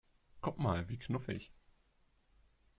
Guck mal, wie knuffig!